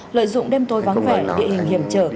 lợi dụng đêm tối vắng vẻ địa hình hiểm trở